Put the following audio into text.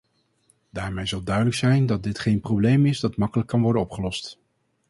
Daarmee zal duidelijk zijn dat dit geen probleem is dat makkelijk kan worden opgelost.